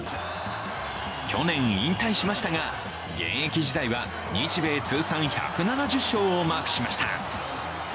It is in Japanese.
去年、引退しましたが現役時代は日米通算１７０勝をマークしました。